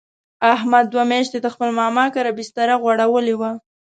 احمد دوه میاشتې د خپل ماما کره بستره غوړولې وه.